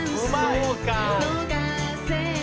「そうか」